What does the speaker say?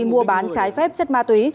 mua bán trái phép chất ma túy